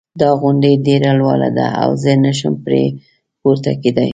دا غونډی ډېره لوړه ده او زه نه شم پری پورته کېدای